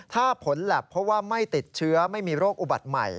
ถ้าผลแหลบเพราะว่าไม่ติดเชื้อไม่มีโรคอุบัติใหม่